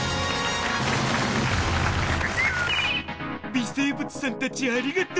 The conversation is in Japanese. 微生物さんたちありがとう！